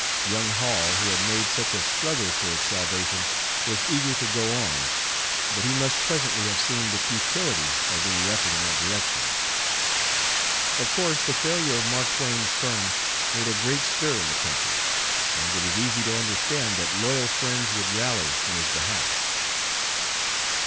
Young Hall, who had made such a struggle for its salvation, was eager to go on, but he must presently have seen the futility of any effort in that direction. Of course the failure of Mark Twain's firm made a great stir in the country, and it is easy to understand that loyal friends would rally in his behalf.